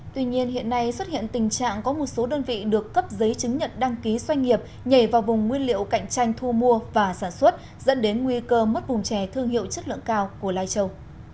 tuy nhiên hiện nay xuất hiện tình trạng có một số đơn vị được cấp giấy chứng nhận đăng ký doanh nghiệp nhảy vào vùng nguyên liệu cạnh tranh thu mua và sản xuất dẫn đến nguy cơ mất vùng chè thương hiệu chất lượng cao của lai châu